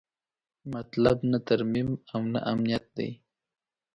مطلب نه ترمیم او نه امنیت دی.